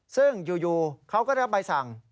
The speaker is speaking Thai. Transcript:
ซึ่งอยู่เขาก็ได้รับใบสั่ง